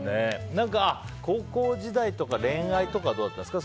高校時代とか、恋愛とかはどうだったんですか？